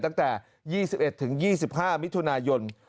ตั้งแต่๒๑๒๕มิถุนายน